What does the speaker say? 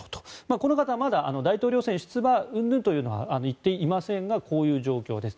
この方はまだ大統領選出馬うんぬんというのは言っていませんがこういう状況です。